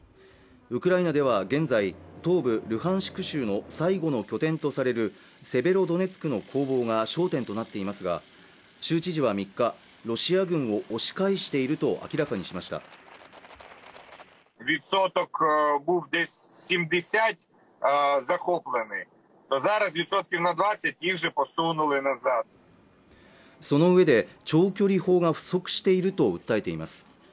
ウクライナでは現在東部ルハンシク州の最後の拠点とされるセベロドネツクの攻防が焦点となっていますが州知事は３日ロシア軍を押し返していると明らかにしましたそのうえで長距離砲が不足していると訴えています